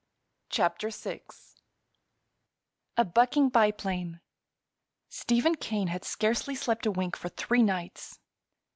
CHAPTER VI A BUCKING BIPLANE Stephen Kane had scarcely slept a wink for three nights.